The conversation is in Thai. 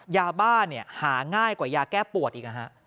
ยาบ้าเนี่ยหาง่ายกว่ายาแก้ปวดอีกนะฮะ